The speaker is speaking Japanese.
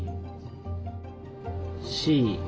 Ｃ。